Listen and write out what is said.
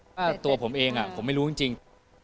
ถ้าตัวผมเองผมไม่รู้จริง